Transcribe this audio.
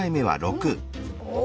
お！